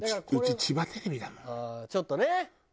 うんちょっとね。